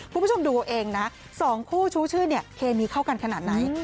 คุณผู้ชมดูเอาเองนะ๒คู่ชู้ชื่นเนี่ยเคมีเข้ากันขนาดไหน